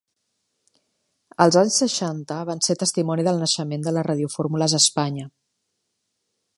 Els anys seixanta van ser testimoni del naixement de les radiofórmules a Espanya.